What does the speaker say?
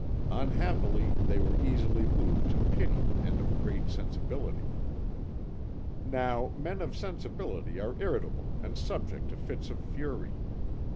Unhappily they were easily moved to pity and of great sensibility. Now men of sensibility are irritable and subject to fits of fury.